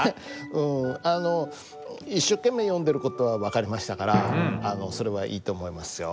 うんあの一生懸命読んでる事は分かりましたからそれはいいと思いますよ。